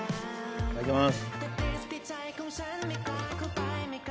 いただきます。